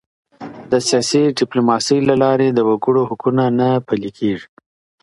د سیاسي ډیپلوماسۍ له لاري د وګړو حقونه نه پلي کیږي.